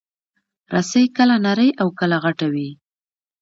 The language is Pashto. رسۍ کله نرۍ او کله غټه وي.